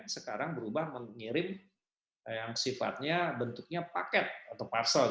sekarang berubah mengirim yang sifatnya bentuknya paket atau parsel